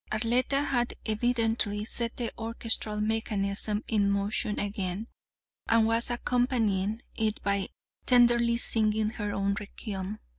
Arletta had evidently set the orchestral mechanism in motion again, and was accompanying it by tenderly singing her own requiem.